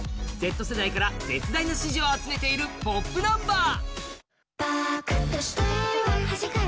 Ｚ世代から絶大な支持を集めているポップナンバー。